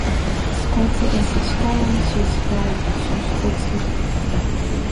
Сгәаҵа исыцәҭалан, сузхьааит, сузхәыцит.